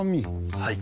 はい。